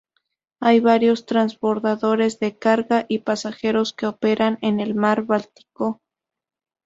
Hay varios transbordadores de carga y pasajeros que operan en el mar Báltico.